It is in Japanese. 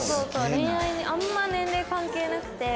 恋愛にあんま年齢関係なくて。